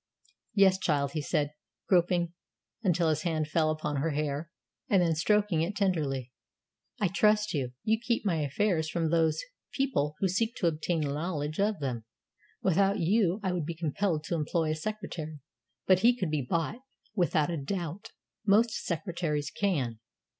"Yes, child," he said, groping until his hand fell upon her hair, and then stroking it tenderly; "I trust you. You keep my affairs from those people who seek to obtain knowledge of them. Without you, I would be compelled to employ a secretary; but he could be bought, without a doubt. Most secretaries can."